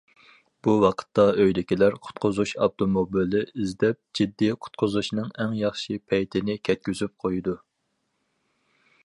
بۇ ۋاقىتتا ئۆيدىكىلەر قۇتقۇزۇش ئاپتوموبىلى ئىزدەپ جىددىي قۇتقۇزۇشنىڭ ئەڭ ياخشى پەيتىنى كەتكۈزۈپ قويىدۇ.